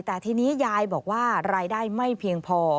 แต่ทีนี้ยายบอกว่ารายได้ไม่เพียงพอ